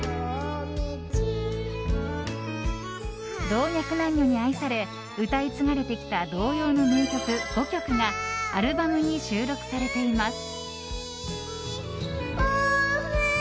老若男女に愛され歌い継がれてきた童謡の名曲５曲がアルバムに収録されています。